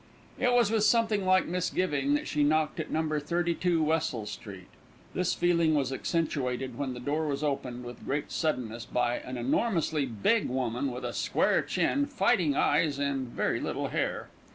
It was with something like misgiving that she knocked at No. 32 Wessels Street. This feeling was accentuated when the door was opened with great suddenness by an enormously big woman with a square chin, fighting eyes, and very little hair.